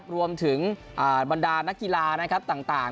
รวมถึงบรรดานักกีฬาต่าง